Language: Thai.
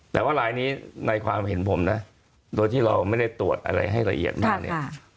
แต่ว่าลายนี้ในความเห็นผมนะโดยที่เราไม่ได้ตรวจอะไรให้ละเอียดมากเนี่ย